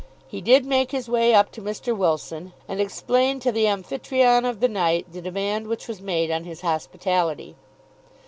He did make his way up to Mr. Wilson, and explained to the Amphytrion of the night the demand which was made on his hospitality.